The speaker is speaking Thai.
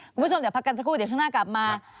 คุณผู้ชมเดี๋ยวพักกันสักครู่เดี๋ยวช่วงหน้ากลับมา